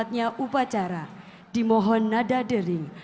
tuhan di atasku